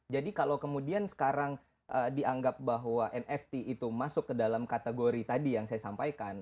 jadi kalau kemudian sekarang dianggap bahwa nft itu masuk ke dalam kategori tadi yang saya sampaikan